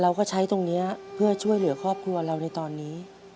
เราก็ใช้ตรงนี้เพื่อช่วยเหลือครอบครัวเราในตอนนี้